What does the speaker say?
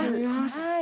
はい。